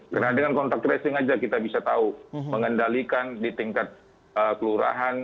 karena dengan kontak tracing saja kita bisa tahu mengendalikan di tingkat kelurahan